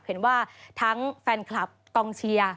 เห็นว่าทั้งแฟนคลับกองเชียร์